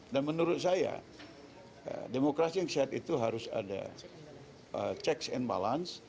dan menurut saya demokrasi yang sehat itu harus ada checks and balance